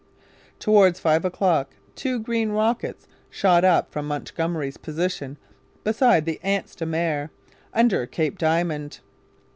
Towards five o'clock two green rockets shot up from Montgomery's position beside the Anse des Meres under Cape Diamond.